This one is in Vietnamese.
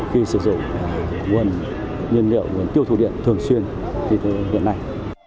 khi sử dụng nguồn nhiên liệu nguồn tiêu thủ điện thường xuyên như thế này